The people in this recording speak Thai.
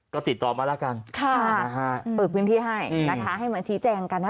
ก็ติดต่อมาแล้วกันเปิดพื้นที่ให้นะคะให้มาชี้แจงกันนะ